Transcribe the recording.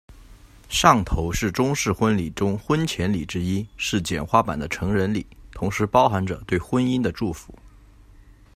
上头是中式婚礼中婚前礼之一，是简化版的成人礼，同时包含着对婚姻的祝福。